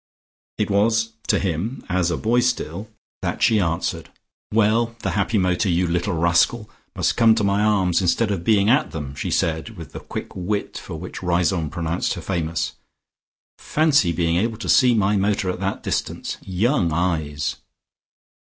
It was to him, as a boy still, that she answered. "Well, the happy motor, you little rascal, must come to my arms instead of being at them," she said with the quick wit for which Riseholme pronounced her famous. "Fancy being able to see my motor at that distance. Young eyes!"